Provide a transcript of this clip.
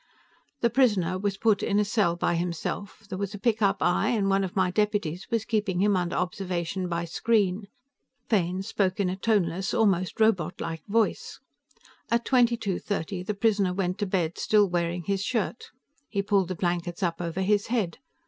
"The prisoner was put in a cell by himself; there was a pickup eye, and one of my deputies was keeping him under observation by screen." Fane spoke in a toneless, almost robotlike voice. "At twenty two thirty, the prisoner went to bed, still wearing his shirt. He pulled the blankets up over his head.